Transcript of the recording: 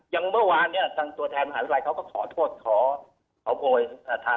อย่างเมื่อวานเนี่ยทางตัวแทนมหาวิทยาลัยเขาก็ขอโทษขอโพยอ่า